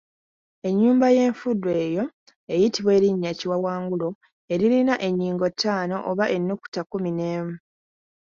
Ennyumba y’enfudu eyo eyitibwa erinnya Kiwawangulo eririna ennyingo ttaano oba ennukuta kkumi n’emu.